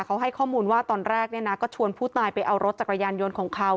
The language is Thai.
เขาให้ข้อมูลว่าตอนแรกเนี่ยนะก็ชวนผู้ตายไปเอารถจักรยานยนต์ของเขา